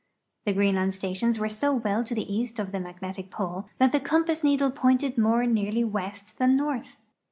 The Greenland stations were so well to the east of the magnetic pole that the compass needle pointed more nearly west than north.